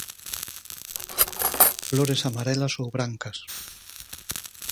Flores amarelas ou brancas.